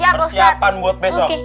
persiapan buat besok